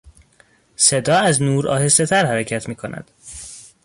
صدا از نور آهستهتر حرکت میکند.